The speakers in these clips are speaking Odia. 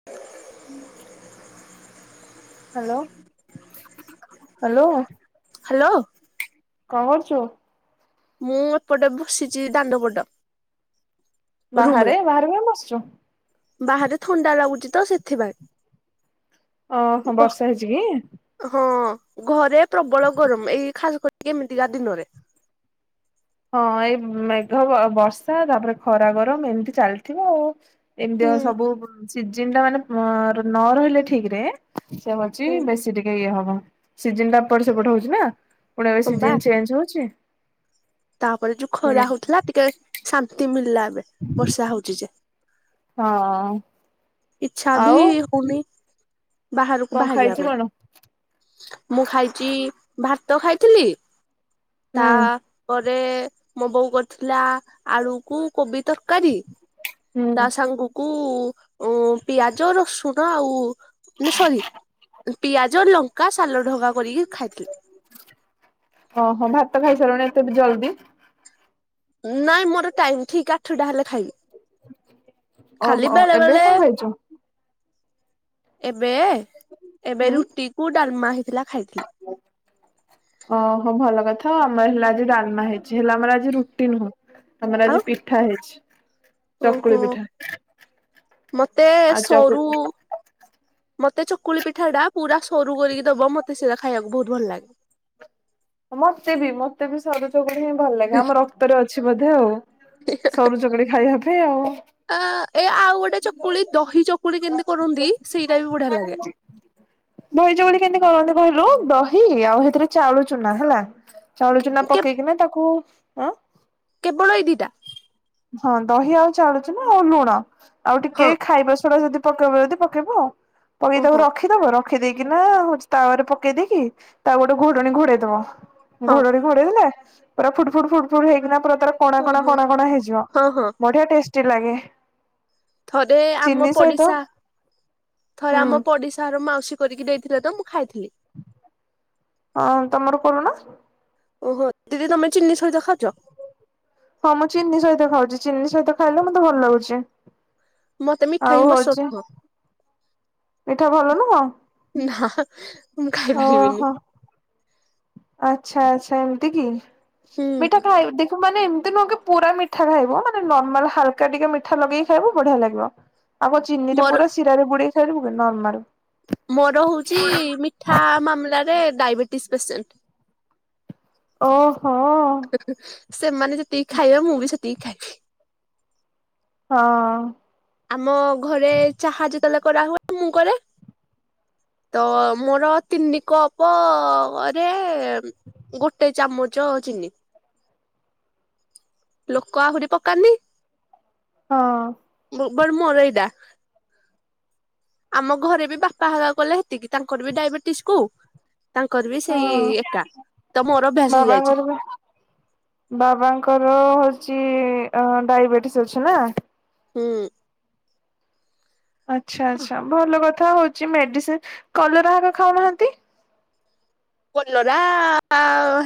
[inaudible] Hello hello. ହ୍ୟାଲୋ। କଣ କରୁଛୁ? ମୁଁ ଏପଟେ ବସିଛି ଦାଣ୍ଡପଟ। ରୁମ ରେ ବାହାରେ ବାହାରେ କାଇଁ ବସିଛୁ? ବାହାରେ ଥଣ୍ଡା ଲାଗୁଛି ତ ସେଥିପାଇଁ। ଓହୋ ବର୍ଷା ହେଇଛି କି? ହଁ ଘରେ ପ୍ରବଳ ଗରମ ଏଇ ଖାସ କରି ଏମିତିକା ଦିନରେ। ହଁ ଏଇ ମେଘ ବର୍ଷା ତାପରେ ଖରା ଗରମ ଏମିତି ଚାଲିଥିବ ଆଉ। ଏମିତି ହୁଁ। ସବୁ ସିଜିନ୍ ଟା ମାନେ ନ ରହିଲେ ଠିକ୍ ରେ ସେ ହଉଛି ହୁଁ ବେ ସେ ଟିକେ ଇଏ ହବ ସିଜିନ ଟା ଏପଟ ସେପଟ ହଉଛି ନା ପୁଣି ଏବେ ହଁ ବା ସିଜିନ୍ ଚେଞ୍ଜ ହଉଛି। ତାପରେ ଯୋଉ ହୁଁ ଖରା ହଉଥିଲା ଟିକେ ଶାନ୍ତି ମିଳିଲା ଏବେ ବର୍ଷା ହଉଛି ଯେ। ହଁ। ଇଚ୍ଛା ବି ଆଉ ହଉନି ବାହାରକୁ କଣ ବାହାରି ବା ଖାଇଛୁ ପାଇଁ। କଣ? ମୁଁ ଖାଇଛି ଭାତ ଖାଇଥିଲି ତା ହୁଁ ପରେ ରେ ମୋ ବୋଉ କରିଥିଲା ଆଳୁ କୁ କୋବି ତରକାରୀ ତା ହୁଁ ସାଙ୍ଗ କୁ ଓ ପିଆଜ ରସୁଣ ଆଉ ନା ସରି ପିଆଜ ଲଙ୍କା ସାଲଟ ହେରିକା କରିକି ଖାଇଦେଲି। ଓହୋ ଭାତ ଖାଇସାରିଲୁଣି ଏତେ ଜଲ୍ଦି? ନାଇଁ ମୋର ଟାଇମ୍ ଠିକ୍ ଆଠଟା ହେଲେ ଖାଇବି। ଖାଲି ଓହୋ ବେଳେ ଏବେ ବେଳେ କଣ ଖାଇଛୁ? ଏବେ ଏବେ ହୁଁ ରୁଟି କୁ ଡାଲମା ହେଇଥିଲା ଖାଇଥିଲି। ଓହୋ ଭଲ କଥା ଆମର ହେଲା ଆଜି ଡାଲମା ହେଇଛି ହେଲେ ଆମର ଆଜି ରୁଟି ନୁହଁ। ଆମର ଆଉ ଆଜି ପିଠା ହେଇଛି। ଓହୋ ଚକୁଳି ପିଠା ମତେ ଆଉ ଚକୁ ସରୁ ମତେ ଚକୁଳି ପିଠା ଟା ପୁରା ସରୁ କରିକି ଦବ ମତେ ସେଇଟା ଖାଇବାକୁ ବହୁତୂ ଭଲ ଲାଗେ। ମତେ ବି ମତେ ବି ସରୁ ଚକୁଳି ହିଁ ଭଲ ଲାଗେ ଆମ ରକ୍ତରେ ଅଛି ବୋଧେ ଆଉ। ସରୁ ଚକୁଳି ଖାଇବା ପାଇଁ ଆଉ। ଆ ଏ ଆଉ ଗୋଟେ ଚକୁଳି ଦହି ଚକୁଳି କେମିତି କରନ୍ତି ସେଇଟା ବି ବଢିଆ ଲାଗେ। ଦହି ଚକୁଳି କେନ୍ତି କରନ୍ତି କହିଲୁ ଦହି ଆଉ ହେଥିରେ ଚାଉଳ ଚୁନା ହେଲା। ଚାଉଳ ଚୁନା ପକେଇକିନା ତାକୁ ଆଁ କେବଳ ଏଇ ଦିଟା ହଁ ଦହି ଆଉ ଚାଉଳ ଚୁନା ଆଉ ଲୁଣ ଆଉ ହଁ ଟିକେ ଖାଇବା ସୋଡା ଯଦି ପକେଇବ ଯଦି ପକେଇବ ପକେଇ ତାକୁ ଓହୋ ରଖି ଖିଦବ ରଖିଦେଇକିନା ହଉଛି ତାପରେ ପକେଇ ଦେଇକି ତାକୁ ଗୋଟେ ଘୋଡଣି ଘୋଡେଇ ଦବ। ହଁ ଘୋଡଣି ଘୋଡେଇ ଦେଲେ ପୁରା ଫୁଟ୍ ଫୁଟ୍ ଫୁଟ୍ ଫୁଟ୍ ହେଇକିନା ପୁରା ତାର କଣା କଣା ଓହୋ କଣା କଣା ହେଇଯିବ ହଁ ହଁ ବଢିଆ ଟେଷ୍ଟି ଲାଗେ। ଥରେ ଆମ ଚିନି ସହିତ ପଡିଶା ଥରେ ହୁଁ ଆମ ପଡିଶା ଘର ମାଉସୀ କରିକି ଦେଇଥିଲେ ତ ମୁଁ ଖାଇଥିଲି। ହଁ ତମର କୋଲୁନା। ଓହୋ ଦିଦି ତମେ ଚିନି ସହିତ ଖାଉଚ। ହଁ ମୁଁ ଚିନି ସହିତ ଖାଉଚି ଚିନି ସହିତ ଖାଇଲେ ମତେ ଭଲ ଲାଗୁଚି। ମତେ ମିଠା ହିଁ ଆଉ ପସନ୍ଦ ହଉଚି ନୁହଁ ମିଠା ଭଲ ନୁହଁ। ନାହା ହା ହା ମୁଁ ଖାଇପାରିବିନି। ଓହୋ ଆଚ୍ଛା ଆଚ୍ଛା ଏମତି କି ହୁଁ ମିଠା ଖାଇବୁ ଦେ ତୁ ମାନେ ଏମତି ନୁହଁ କି ପୁରା ମିଠା ଖାଇବ ମାନେ ନର୍ମାଲ ହାଲକା ଟିକେ ମିଠା ଲଗେଇକି ଖାଇବ ବଢିଆ ଲାଗିବ। ଆଉ କଁ ଚିନିଟା ମୋର ପୁରା ଶିରାରେ ବୁଡେଇକି ଖାଇଦବୁ କି ନର୍ମାଲ। ମୋର ହଉଚି ମିଠା ମାମଲାରେ ଡାଇବେଟିସ୍ ପେସେଣ୍ଟ। ଓହୋ। ସେମାନେ ଯେତିକି ଖାଇବେ ମୁଁ ବି ସେତିକି ଖାଇବି। ହଁ। ଆମ ଘରେ ଚାହା ଯେତେବେଲେ କରାହୁଏ ମୁଁ କରେ। ତ ମୋର ତିନି କପରେ ଉଁ ଉଁ ଗୋଟେ ଚାମୁଚ ଚିନି। [inaudible] ଲୋକ ଆହୁରି ପକାନ୍ଦି। ହ। ଭୂଗୋଳ ମୋର ଏଇଟା। ଆମ ଘରେ ବି ବାପା ହେରା କଲେ ହେତିକି ତାଙ୍କର ବି ଡାଇବେଟିସକୁ ତାଙ୍କର ବି ସେଇ ହଁ ଏକା ତ ମୋର ଅଭ୍ୟାସ ବାବାଙ୍କର ହେଇଯାଇଚି। ବି ବାବାଙ୍କର ହଉଚି ଓହୋ ଡାଇବେଟିସ୍ ଅଛି ନା। ହୁଁ। ଆଚ୍ଛା ଆଚ୍ଛା ଭଲ କଥା ହଉଚି ମେଡିସି କଲରା ହଗା ଖାଉନାହାନ୍ତି। କଲରା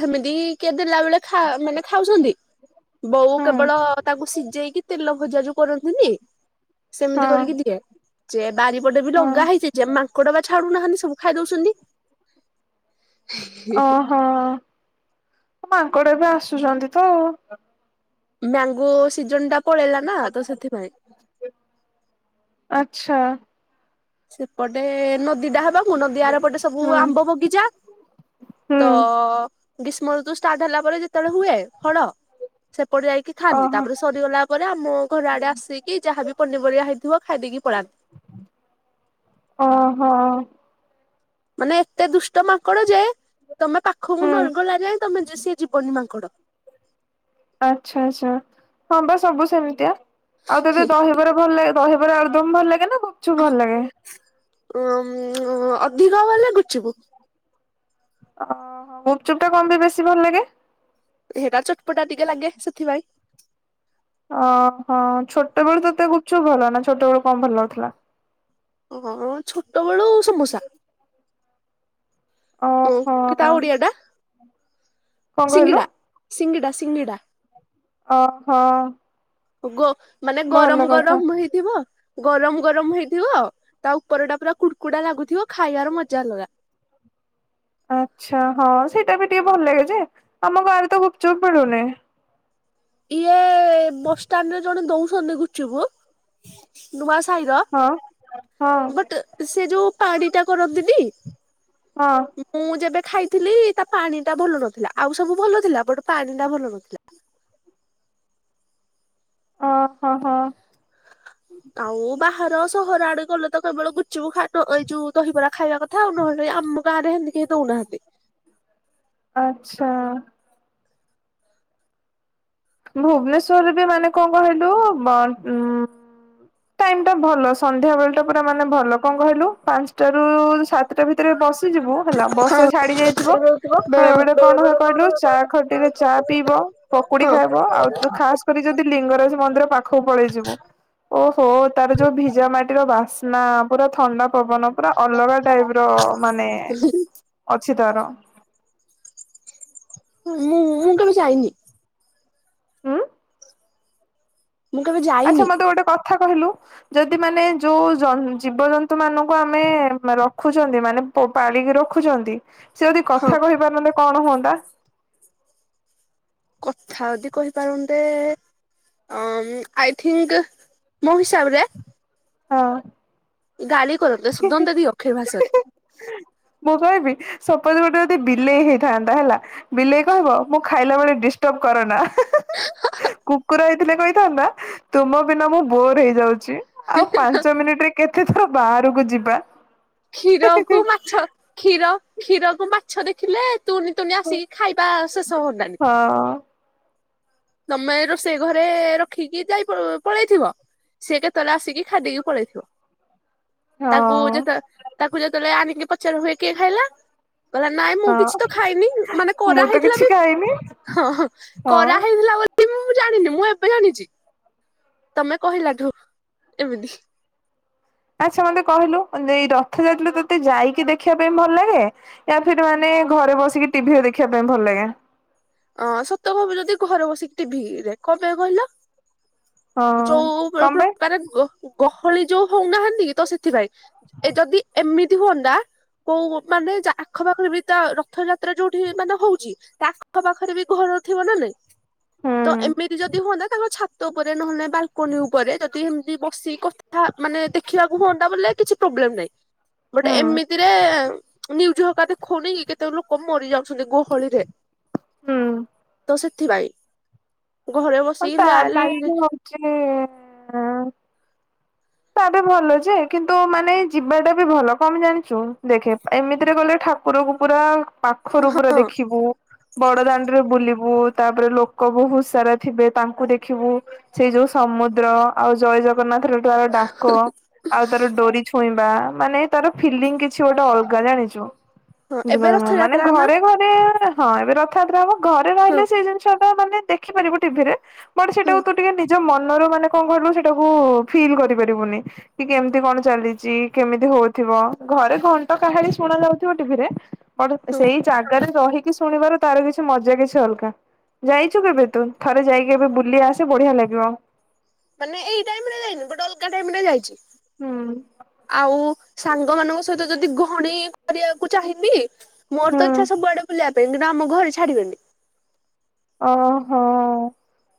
ହେମିତି କିଏ ଦେଲା ବେଳେ ଖା ମାନେ ଖାଉଚନ୍ତି। ବୋଉ ହଁ କେବଳ ତାକୁ ସିଜେଇକି ତେଲ ଭଜା ଯୋଉ କରନ୍ତିନି ହଁ ସେମିତି କରିକି ଦିଏ ଚେ ବାରିପଟେ ବି ହଁ ଲଗା ହେଇଚି। ଯେ ମାଙ୍କଡ ବା ଛାଡୁନାହାନ୍ତି ସବୁ ଖାଇ ଦଉସନ୍ତି। ଓହୋ ଆ ମାଙ୍କଡ ବି ଆସୁଛନ୍ତି ତ ଆଉ। ମ୍ୟାଙ୍ଗୋ ସିଜନଟା ପଳେଇଲା ନା ତ ସେଥିପାଇଁ। ଆଚ୍ଛା। ସେପଟେ ନଦୀଟା ହବାକୁ ନଦୀ ଆରପଟେ ସବୁ ହୁଁ ଆମ୍ବ ବଗିଚା। ତ ହୁଁ। ଗ୍ରୀଷ୍ମ ଋତୁ ଷ୍ଟାର୍ଟ ହେଲା ପରେ ଯେତେବେଳେ ହୁଏ ଫଳ ସେପଟେ ଯାଇକି ଥାଆନ୍ତି ଓହୋ ତାପରେ ସରିଗଲା ପରେ ଆମୋ ଘର ଆଡେ ଆସିକି ଯାହା ବି ପନିପରିବା ହେଇଥିବ ଖାଇ ଦେଇକି ପଳାନ୍ତି। ଓହୋ। ମାନେ ଏତେ ଦୁଷ୍ଟ ମାଙ୍କଡ ଯେ, ତମେ ପାଖକୁ ହୁଁ ନରଗଲା ଯାଏ ତମେ ସିଏ ଯିବନି ମାଙ୍କଡ। ଆଚ୍ଛା -ଆଚ୍ଛା ହଁ ବା ସବୁ ସେମିତିଆ ଆଉ ଯଦି ଦହିବାରା ଭଲ ଲାଗ୍ ଦହିବରା ଆଳୁଦମ୍ ଭଲ ଲାଗେ ନାଁ ଗୁପ୍ ଚୁପ୍ ଭଲ ଲାଗେ? ଉଁ ଅଧିକ ଭଲଲାଗେ ଗୁଚୁପୁ। ଅ ଗୁପ୍ ଚୁପ୍ ଟା କମ୍ ପାଇଁ ବେଶୀ ଭଲ୍ ଲାଗେ? ହେଟା ଚଟ୍ ପଟା ଟିକେ ଲାଗେ ସେଥିପାଇଁ। ଅଁ ହଁ ଛୋଟବେଳୁ ତତେ ଗୁପ୍ ଚୁପ୍ ଭଲ ନାଁ ଛୋଟବେଳୁ କଣ ଭଲ ଲାଗୁଥିଲା? ହଁ ଛୋଟବେଳୁ ସମୋସା। ହଁ ଓହୋ ତା ଓଡ଼ିଆ ଟା କଣ କହିଲୁ ସିଙ୍ଗିଡ଼ା -ସିଙ୍ଗିଡ଼ା- ସିଙ୍ଗିଡ଼ା। ହଁ -ହଁ। ଗ ମାନେ ଗରମ୍ କଥା। ଗରମ୍ ହେଇଥିବ, ଗରମ୍ ଗରମ୍ ହେଇଥିବ। ତା ଉପର ଟା ପୁରା କୁଡ୍ କୁଡା ଲାଗୁଥିବ, ଖାଇବାର ମଜା ଅଲଗା। ଆଚ୍ଛା ହଁ ସେଇଟା ବି ଟିକେ ଭଲ ଲାଗେ ଯେ ଆମ ଗାଁରେ ତ ଗୁପ୍ ଚୁପ୍ ମିଳୁନି। ଇଏ ବସଷ୍ଟାଣ୍ଡ ରେ ଜଣେ ଦଉଛନ୍ତି ଗୁପଚୁପୁ। ନୂଆ ସାହିର ହଁ ହଁ ବଟ୍ ସେ ଯୋଉଁ ପାଣି ଟା କରନ୍ତିନି। ହଁ। ମୁଁ ଯେବେ ଖାଇଥିଲି ତା ପାଣି ଟା ଭଲ ନଥିଲା, ଆଉ ସବୁ ଭଲ ଥିଲା, ବଟ୍ ପାଣି ଟା ଭଲ ନଥିଲା। ଓ ହଁ -ହଁ। ଆଉ ବାହାର ସହର ଆଡେ ଗଲେ ତ କେବଳ ଗୁଚୁପୁ ଖ ଏଇ ଯୋଉଁ ଦହିବରା ଖାଇବା କଥା ଥାଉ ନହେଲେ ଆମ ଗାଁରେ ହେମତି କେହି ଦଉନାହାନ୍ତି। ଆଚ୍ଛା। ଭୁବନେଶ୍ୱରରେ ବି ମାନେ କଣ କହିଲୁ ବ ଉଁ ଟାଇମ୍ ଟା ଭଲ ସନ୍ଧ୍ୟା ବେଳ ଟା ପୁରା ମାନେ ଭଲ କଣ କହିଲୁ ପାଞ୍ଚଟା ରୁ ସାତଟା ଭିତ୍ ଥିରେ ବସିଯିବୁ ହେଲା ବର୍ଷା ହଁ ଛାଡି ଯାଇଥିବ। ବେଳେ ବେଳେ କଣ ହୁଏ କହିଲୁ ଚା ଖଟିରେ ଚା ପିଇବ ପକୁଡି ହଁ ଖାଇବ ଆଉ ତ ଖାସ୍‌ କରି ଯଦି ଲିଙ୍ଗରାଜ ମନ୍ଦିର ପାଖକୁ ପଳେଇ ଯିବୁ। ଓହୋ ତାର ଯୋଉଁ ଭିଜା ମାଟିର ବାସ୍ନା ପୁରା ଥଣ୍ଡା ପବନ। ପୁରା ଅଲଗା ଟାଇପ୍ ର ମାନେ ଅଛି ତାର। ମୁଁ -ମୁଁ କେବେ ଯାଇନି। ହୁଁ। ମୁଁ କେବେ ଆଚ୍ଛା ଯାଇନି ମତେ ଗୋଟେ କଥା କହିଲୁ? ଯଦି ମାନେ ଯୋଉଁ ଜୀବଜନ୍ତୁ ମାନଙ୍କୁ ଆମେ ରଖୁଛନ୍ତି, ମାନେ ପାଳିକି ରଖୁଛନ୍ତି ସେ ଯଦି ହଁ। କଥା କହିପାରୁଥାନ୍ତେ କଣ ହୁଅନ୍ତା। କଥା ଯଦି କହିପାରନ୍ତେ। ଆଇ ଥିଙ୍ଗି ମୋ ହିସାବରେ। ହଁ। ଗାଲି କରନ୍ତେ ସୋଦନ୍ତେ ଦି ଅକ୍ଷର ଭାଷାରେ। ମୁଁ କହିବି ସପୋଜ ଗୋଟେ ଯଦି ବିଲେଇ ହେଇଥାନ୍ତା ହେଲା। ବିଲେଇ କହିବ, ମୁଁ ଖାଇଲା ବେଳେ ଡିଷ୍ଟର୍ବ କରନା। କୁକୁର ହେଇଥିଲେ କହିଥାନ୍ତା, ତୁମ ବିନା ମୁଁ ବୋର୍ ହେଇଯାଉଛି। ଆଉ ପାଞ୍ଚ ମିନିଟ୍ ରେ କେତେଥର ବାହାରକୁ ଯିବା। କ୍ଷୀରକୁ ମାଛ, କ୍ଷୀର- କ୍ଷୀରକୁ ମାଛ ଦେଖିଲେ। ତୁଣିି ତୁନି ଆସିକି ଖାଇବା ଶେଷ ହଅନ୍ତାଣି। ହଁ। ତମେ ରୋଷେଇ ଘରେ ରଖିକି ଯାଇ ପଳେଇଥିବ। ସିଏ କେତେବେଳେ ଆସିକି ଖାଇ ଦେଇକି ପଳେଇଥିବ। ତାକୁ ହଁ। ଯେତେ ତାକୁ ଯେତେବେଳେ ଆଣିକି ପଚାରିବୁ ଇଏ କିଏ ଖାଇଲା। କହିଲା ନାଇଁ ମୁଁ ହଁ କିଛି ତ ଖାଇନି ମାନେ ମୁଁ ତ କରାହେଇଥିଲା କିଛି ବି ଖାଇନି ହଁ ହଁ ହଁ। କରା ମୁ ଜାଣିନି ମୁଁ ଏବେ ଜାଣିଛି ତମେ କହିଲା ଠୁ ଏମିତି। ଆଚ୍ଛା ମତେ କହିଲୁ ଏଇ ରଥ ଯାତ୍ରା ତୋତେ ଯାଇକି ଦେଖିବା ପାଇଁ ଭଲ ଲାଗେ। ୟା ଫିର ମାନେ ଘରେ ବସିକି ଟିଭିରେ ଦେଖିବା ପାଇଁ ଭଲ ଲାଗେ। ଅଁ ସତ କହିବି ଯଦି ଘରେ ବସିକି ଟିଭି ରେ କଣ ପାଇଁ କହିଲ। ହଁ ଯୋଉ କଣ ପାଇଁ? ପ୍ରକାର ଗହଳି ଯୋଉ ହଉନାହାନ୍ତି କି ତ ସେଥିପାଇଁ। ଏ ଯଦି ଏମିତି ହୁଅନ୍ତା କୋଉ ମାନେ ଯ ଆଖପାଖ ଏମିତି ତା ରଥ ଯାତ୍ରା ଯୋଉଠି ମାନେ ହଉଛି ଆଖ ପାଖରେ ବି ଘର ଥିବ ନା ନାଇଁ। ତ ହୁଁ ଏମିତି ଯଦି ହୁଅନ୍ତା ତାଙ୍କ ଛାତ ଉପରେ ନହେଲେ ବାଲ୍‌କୁନି ଉପରେ ଯଦି ଏମତି ବସି କଥା ମାନେ ଦେଖିବାକୁ ହୁଅନ୍ତା ବୋଲେ କିଛି ପ୍ରୋବ୍ଲେମ ନାହିଁ। ହୁଁ ଗୋଟେ ଏମିତିରେ ନିଉଜ ହକା ଦେଖାଉନି କେତେ ଲୋକ ମରି ଯାଉଛନ୍ତି ଗହଳିରେ। ହୁଁ। ତ ସେଥିପାଇଁ ଘରେ ବସିକ ଲାଇନ୍‌ ରେ ହ [inaudible] ତା ବି ଭଲ ଯେ କିନ୍ତୁ ମାନେ ଯିବାଟା ବି ଭଲ କମ ଜାଣିଛୁ ଦେଖେ ଏମିତିରେ ଗଲେ ଠାକୁର ଠାକୁର କୁ ପୁରା ପାଖରୁ ପୁରା ଦେଖିବୁ। ବଡଦାଣ୍ଡରେ ବୁଲିବୁ ତାପରେ ଲୋକ ବହୁତ ସାରା ଥିବେ ତାଙ୍କୁ ଦେଖିବୁ। ସେଇ ଯୋଉ ସମୁଦ୍ର ଆଉ ଜୟ ଜଗନ୍ନାଥ ର ଯୋଉ ଡାକ। ଆଉ ତାର ଡୋରି ଛୁଇଁବା ମାନେ ତାର ଫିଲିଙ୍ଗ କିଛି ଗୋଟେ ଅଲଗା ଜାଣିଛୁ। ହଁ ଏବେ ମାନେ ରଥଯାତ୍ରା ନା ଘରେ ଘରେ ହଁ ଏବେ ରଥଯାତ୍ରା ହବ ଘରେ ହଁ ରହିଲେ ସେଇ ଜିନିଷ ଟା ମାନେ ଦେଖିପାରିବ ଟିଭିରେ। ବଟ ହଁ ସେଟାକୁ ତୁ ଟିକେ ନିଜ ମନ ରୁ ମାନେ କଣ କହିଲୁ ସେଇଟାକୁ ଫିଲ୍ କରିପାରିବୁନି। କି କେମିତି କଣ ଚାଲିଛି କେମିତି ହଉଥିବ ଘରେ ଘଣ୍ଟ କାହାଳୀ ଶୁଣା ଯାଉଥିବ ଟିଭିରେ। ହଁ ସେଇ ଜାଗାରେ ରହିକି ଶୁଣିବାର ତାର କିଛି ମଜା କିଛି ଅଲଗା। ଯାଇଛୁ କେବେ ତୁ ଥରେ ଯାଇକି କେବେ ବୁଲି ଆସେ ବଢିଆ ଲାଗିବ। ମାନେ ଏଇ ଟାଇମ ରେ ଯାଇନି ବଟ ଅଲଗ ଟାଇମିରେ ଯାଇଛି। ହୁଁ। ଆଉ ସାଙ୍ଗମାନାନଙ୍କ ସହିତ ଯଦି ଗହଣୀ କରିବାକୁ ଚାହିଁବି ମୋର ତ ହୁଁ। ଚ୍ଛା ସୁଆେ ବୁିବା ପାଇଁ କିନ୍ତୁ ଆମରେ ଛାଡ଼ିବେନି। ଓହୋ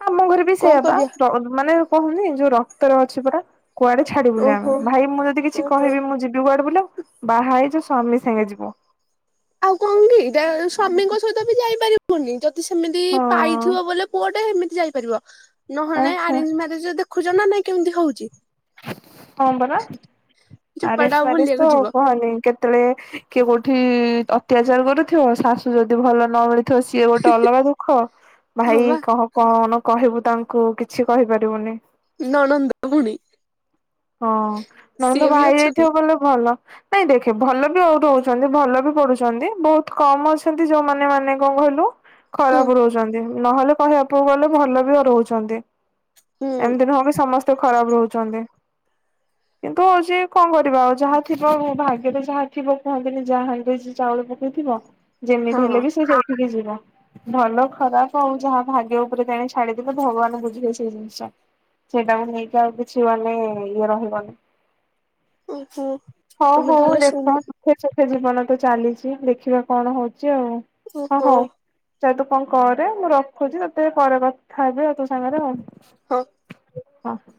ଆମ ଘରେ ବି କଣ ସେଇୟା କରିବା ବା ମାନେ କହୁନି ଯୋଉ ରକ୍ତରେ ଅଛି ପରା। କୁଆଡେ ଛାଡିବୁନ ଆମେ ଓହୋ। ଭାଇ ମୁଁ ଯଦି କିଛି ଓହୋ। କହିବି ମୁଁ ଯିବି କୁଆଡେ ବ ବୋଲି ଆଉ। ବାହା ହେଇଚୁ ସ୍ୱାମୀ ସାଙ୍ଗେ ଯିବ। ଆଉ କଣ କି ଏଇଟା ସ୍ବାମୀଙ୍କ ସହିତ ବି ଯାଇପାରିବ। ହୁନି ଯଦି ସେମିତି ହଁ ପାଇଥିବ ବୋଲେ ପୁଅ ଟେ ଏମିତି ଯାଇପାରିବ ନହେଲେ ଆଚ୍ଛା ଆରେଞ୍ଜ ମ ଯ ଦେଖୁଛ ନା ନାଇଁ କେମିତି ହଉଛି। କଣ ପରା ଚୋପାଟା ଆରିସ ମାରିସ ବୁଲିବାକୁ ତ ଯିବ କୁହନି କେତେ ଯେତେବେଳେ କିଏ କୋଉଠି ଅତ୍ୟାଚାର କରୁଥିବ ଶାଶୁ ଯଦି ଭଲ ନ ମିଳି ସିଏ ଗୋଟେ ଅଲଗା ଦୁଃଖ ହଁ ଭାଇ ବା କ କଣ କହିବୁ ତାଙ୍କୁ କିଛି କହିପାରିବୁନି। [unintelligible] ହଁ ନହେଲେ ତ ସିଏ ବି ଭାଇ ଅଛନ୍ତି। ଯାଇଥିବ ଗଲେ ଭଲ। ନାଇଁ ଦେଖେ ଭଲ ବି ଆଉ ରହୁଛନ୍ତି ଭଲ ବି ପଢଡୁଛନ୍ତି ବହୁତ କମ ଅଛନ୍ତି ଯୋଉମାନେ ମାନେ କଣ କହିଲୁ ହୁଁ ଖରାପ ରହୁଛନ୍ତି ନ ହେଲେ କହିବାକୁ ଗଲେ ଭଲ ବି ରହୁଛନ୍ତି। ହୁଁ ଏମ୍ତି ନୁହଁ କି ସମସ୍ତେ ଖରାପ ରହୁଚନ୍ତି। କିନ୍ତୁ ହଉଚି କଣ କରିବା ଆଉ ଯାହା ଥିବ ଭାଗ୍ୟରେ ଯାହା ଥିବ କୁହନ୍ତିନି, ଯାହା ହାଣ୍ଡିରେ ଚାଉଳ ପ କେଇ ଥିବ ଯେମିତି ହଁ ହେଲେ ବି ସେ ସେଇଠିକି ଯିବ। ଭଲ ଖରାପ ଆଉ ଯାହା ଭାଗ୍ୟ ଉପରେ ତେଣେ ଛାଡି ଦେଲେ, ଭଗବାନ ବୁଝିବେ ସେ ଜିନିଷ। ସେଇଟାକୁ ନେଇକି ଆଉ କିଛି ଗଲେ ଇଏ ରହିବନି। ଓହୋ ହଉ ତମେ ହଉ ତାହେଲେ ଦେଖ। ସୁମ ଦୁଃଖେ ସୁଖେ ଜୀବନ ତ ଚାଲିଛି ଦେଖିବା କଣ ହଉଚି ଆଉ। ହଁ ଓହୋ ହଉ। ଯା ତୁ କଣ କରେ। ମୁଁ ରଖୁଛି। ତତେ ପରେ କଥା ହେବି ଆଉ, ତୋ ସାଙ୍ଗରେ। ହଁ। [inaudible]